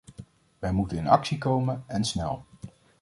Wij moeten in actie komen, en snel.